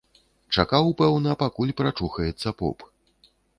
Чакаў, пэўна, пакуль прачухаецца поп.